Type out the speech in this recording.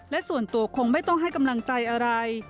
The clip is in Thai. และส่วนตัวคงไม่ต้องให้กำลังใจอะไร